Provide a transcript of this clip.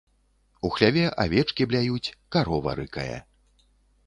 У хляве авечкі бляюць, карова рыкае.